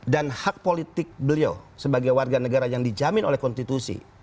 dan hak politik beliau sebagai warga negara yang dijamin oleh konstitusi